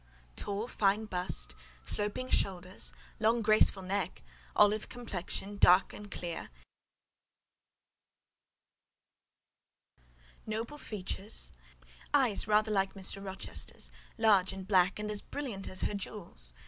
"Tall, fine bust, sloping shoulders; long, graceful neck: olive complexion, dark and clear; noble features; eyes rather like Mr. Rochester's: large and black, and as brilliant as her jewels.